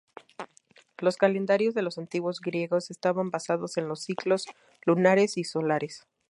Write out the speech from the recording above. Los calendarios de los antiguos griegos estaban basados en los ciclos lunares y solares.